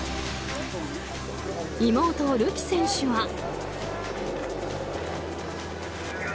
妹・るき選手は。